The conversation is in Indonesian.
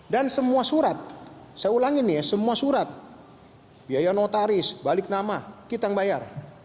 dan semua surat saya ulangi nih ya semua surat biaya notaris balik nama kita ngebayar